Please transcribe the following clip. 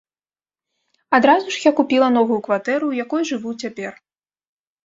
Адразу ж я купіла новую кватэру, у якой жыву цяпер.